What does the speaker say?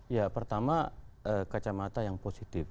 ya pertama kacamata yang positif